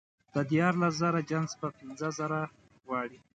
د دیارلس زره جنس په پینځه زره غواړي